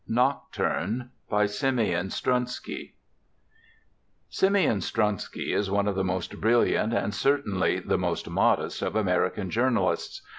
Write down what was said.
NOCTURNE By SIMEON STRUNSKY Simeon Strunsky is one of the most brilliant and certainly the most modest of American journalists.